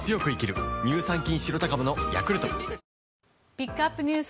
ピックアップＮＥＷＳ